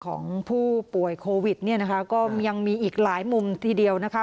ของผู้ป่วยโควิดเนี่ยนะคะก็ยังมีอีกหลายมุมทีเดียวนะคะ